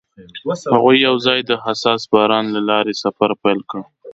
هغوی یوځای د حساس باران له لارې سفر پیل کړ.